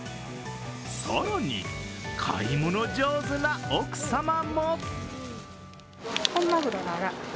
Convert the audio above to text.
更に買い物上手な奥様も。